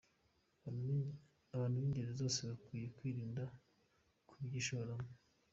Abantu b’ingeri zose bakwiriye kwirinda kubyishoramo.